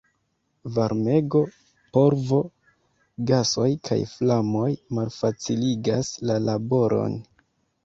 Varmego, polvo, gasoj kaj flamoj malfaciligas la laboron.